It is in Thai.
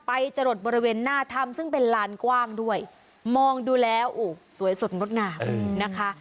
จรดบริเวณหน้าถ้ำซึ่งเป็นลานกว้างด้วยมองดูแล้วสวยสดงดงามนะคะ